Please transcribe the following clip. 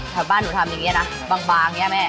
แบบบ้านหนูทำอย่างเงี้ยนะบางอย่างเงี้ยแม่